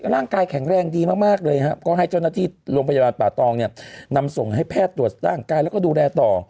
ร่างกายแข็งแรงดีมากเลยครับก็ให้เจ้าหน้าที่โรงพยาบาลป่าตองเนี่ยนำส่งให้แพทย์ตรวจร่างกายแล้วก็ดูแลต่อ